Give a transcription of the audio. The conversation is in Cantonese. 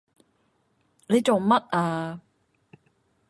你做乜啊？